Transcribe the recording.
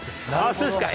そうですか。